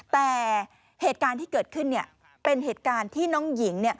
แต่เหตุการณ์ที่เกิดขึ้นเป็นเหตุการณ์ที่น้องหญิง